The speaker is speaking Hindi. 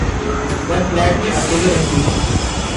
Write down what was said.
वह फ़्लैट में अकेले रहती है।